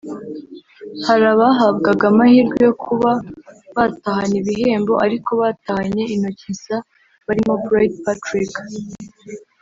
Hari abahabwaga amahirwe yo kuba batahana ibihembo ariko batahanye intoki nsa barimo Bright Patrick